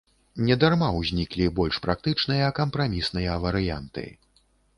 Не дарма ўзніклі больш практычныя кампрамісныя варыянты.